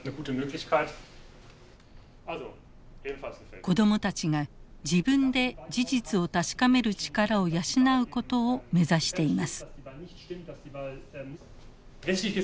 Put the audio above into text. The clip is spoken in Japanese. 子供たちが自分で事実を確かめる力を養うことを目指しています。